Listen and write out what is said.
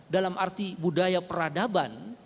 dalam arti budaya peradaban